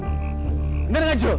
bener nggak jo